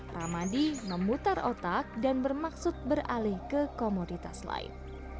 ramadi memutar otak dan bermaksud beralih ke komoditas lain